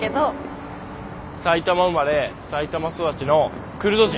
埼玉生まれ埼玉育ちのクルド人。